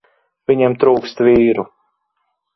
Viņiem trūkst vīru.